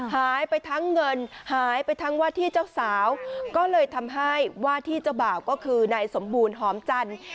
หายไปทั้งเงินหายไปทั้งว่าที่เจ้าสาวก็เลยทำให้ว่าที่เจ้าบ่าวก็คือนายสมบูรณ์หอมจันทร์